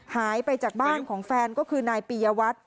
หายไปจากบ้านของแฟนก็คือนายปียวัตร